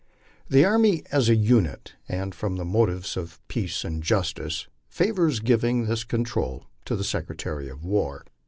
The army as a unit, and from motives of peace and justice, favors giving this con trol to the Secretary of War.